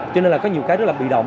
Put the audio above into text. cho nên là có nhiều cái rất là bị động